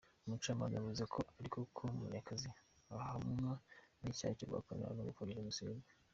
Umucamanza yavuze ariko ko Munyakazi ahamwa n’icyaha cyo guhakana no gupfobya Jenoside.